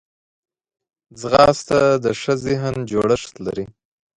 ځغاسته د ښه ذهن جوړښت لري